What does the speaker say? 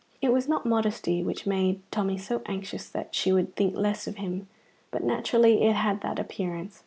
It was not modesty which made Tommy so anxious that she should think less of him, but naturally it had that appearance.